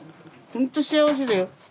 ほんと幸せだよ。